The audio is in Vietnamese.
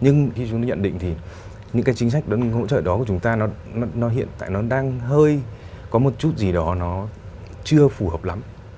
nhưng khi chúng ta nhận định thì những cái chính sách hỗ trợ đó của chúng ta nó hiện tại nó đang hơi có một chút gì đó nó chưa phù hợp lắm